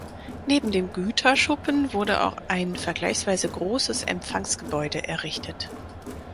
Neben dem Güterschuppen wurde auch ein vergleichsweise großes Empfangsgebäude errichtet.